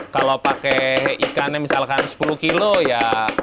kalau pakai ikannya misalkan sepuluh kilo ya